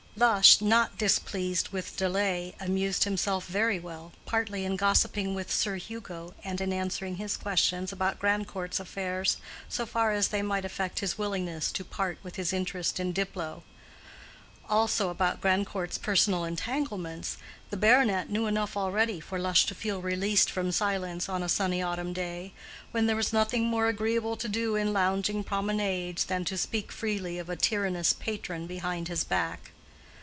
Lush, not displeased with delay, amused himself very well, partly in gossiping with Sir Hugo and in answering his questions about Grandcourt's affairs so far as they might affect his willingness to part with his interest in Diplow. Also about Grandcourt's personal entanglements, the baronet knew enough already for Lush to feel released from silence on a sunny autumn day, when there was nothing more agreeable to do in lounging promenades than to speak freely of a tyrannous patron behind his back.